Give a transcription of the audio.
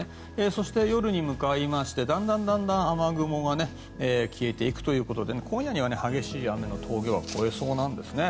そして夜に向かってだんだん、雨雲が消えていくということで今夜には激しい雨の峠は越えそうです。